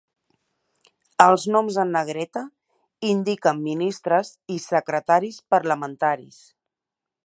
Els noms en negreta indiquen ministres i secretaris parlamentaris.